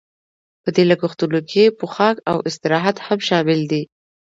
په دې لګښتونو کې پوښاک او استراحت هم شامل دي